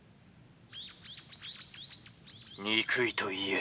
「憎いと言え」。